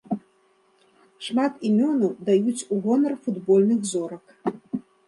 Шмат імёнаў даюць у гонар футбольных зорак.